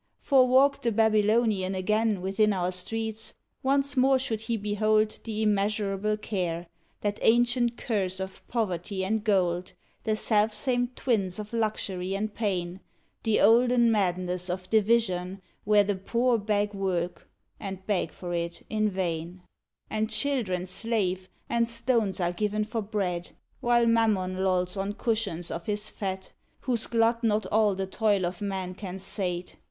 For walked the Babylonian again Within our streets, once more should he behold The immeasurable Care, That ancient curse of poverty and gold, The selfsame twins of luxury and pain, The olden madness of division where The poor beg work, and beg for it in vain, And children slave, and stones are given for bread, While Mammon lolls on cushions of his fat, Whose glut not all the toil of men can sate.